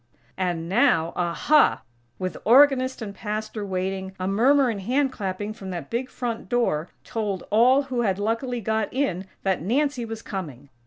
And, now aha!! With organist and Pastor waiting, a murmur and hand clapping from that big front door told all who had luckily got in that Nancy was coming!